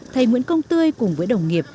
thầy nguyễn công tươi cùng với đồng nghiệp